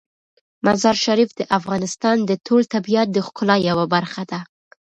مزارشریف د افغانستان د ټول طبیعت د ښکلا یوه برخه ده.